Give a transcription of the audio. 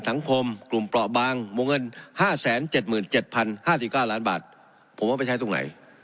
ได้ระดับ๒๗๕๙ล้านบาทผมว่าไปใช้ตรงไหน